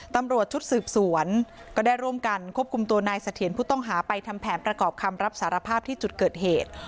ตำรวจชุดสืบสวนก็ได้ร่วมกันควบคุมตัวนายเสถียรผู้ต้องหาไปทำแผนประกอบคำรับสารภาพที่จุดเกิดเหตุ